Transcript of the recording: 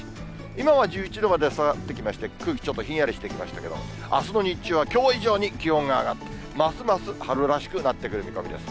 今は１１度まで下がってきまして、空気、ちょっとひんやりしてきましたけど、あすの日中はきょう以上に気温が上がって、ますます春らしくなってくる見込みです。